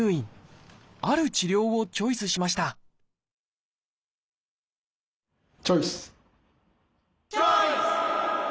ある治療をチョイスしましたチョイス！